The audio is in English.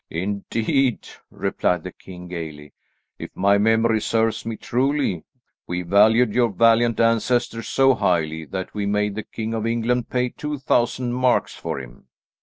"Indeed," replied the king gaily, "if my memory serves me truly, we valued your valiant ancestor so highly that we made the King of England pay two thousand marks for him.